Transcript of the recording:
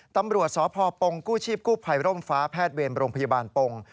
ตำรวจสพปงกู้ชีพกู้ภัยร่มฟ้าแพทย์เวรโรงพยาบาลปง